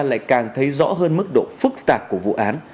lại càng thấy rõ hơn mức độ phức tạp của vụ án